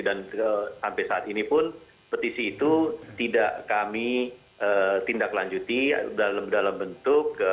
dan sampai saat ini pun petisi itu tidak kami tindak lanjuti dalam bentuk